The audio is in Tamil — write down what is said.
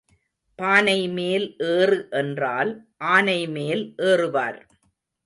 பானைமேல் ஏறு என்றால் ஆனைமேல் ஏறுவார்.